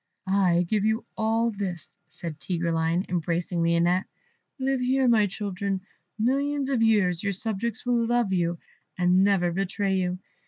"I give you all this," said Tigreline, embracing Lionette; "live here, my children, millions of years; your subjects will love you, and never betray you.